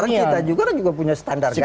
sekarang kita juga kan punya standar ganda